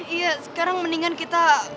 iya sekarang mendingan kita